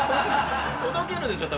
ほどけるでしょ。